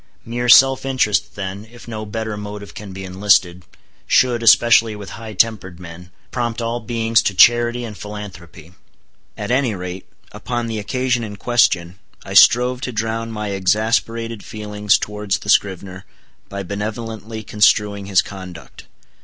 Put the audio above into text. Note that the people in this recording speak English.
Mere self interest, then, if no better motive can be enlisted, should, especially with high tempered men, prompt all beings to charity and philanthropy. At any rate, upon the occasion in question, I strove to drown my exasperated feelings towards the scrivener by benevolently construing his conduct.